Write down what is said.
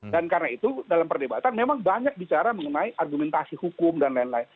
dan karena itu dalam perdebatan memang banyak bicara mengenai argumentasi hukum dan lain lain